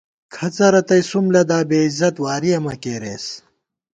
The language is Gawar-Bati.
کھڅہ رتئ سُم لدا ، بےعزت وارِیَہ مہ کېرېس